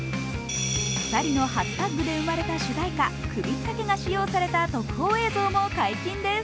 ２人の初タッグで生まれた主題歌「くびったけ」が使用された特報映像も解禁です。